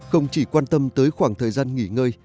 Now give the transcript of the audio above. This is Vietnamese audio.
không chỉ quan tâm tới khoảng thời gian nghỉ ngơi